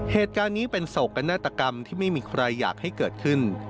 เหตุการณ์นี้เป็นโศกนาฏกรรมที่ไม่มีใครอยากให้เกิดขึ้น